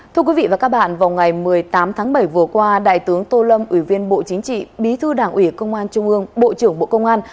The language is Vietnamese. thưa quý vị và các bạn vào ngày một mươi tám tháng bảy vừa qua đại tướng tô lâm ủy viên bộ chính trị bí thư đảng ủy công an trung ương bộ trưởng bộ công an